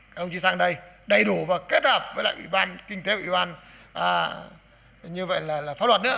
các ông chí sang đây đầy đủ và kết hợp với lại ủy ban kinh tế ủy ban như vậy là pháp luật nữa